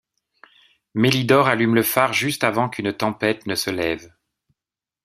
Mélidore allume le phare juste avant qu'une tempête ne se lève.